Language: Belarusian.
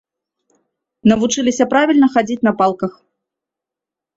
Навучыліся правільна хадзіць на палках.